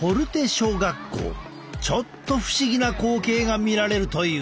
ちょっと不思議な光景が見られるという。